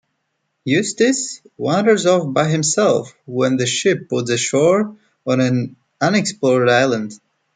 Eustace wanders off by himself when the ship puts ashore on an unexplored island.